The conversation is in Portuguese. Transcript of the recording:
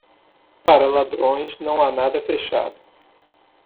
Para ladrões não há nada fechado.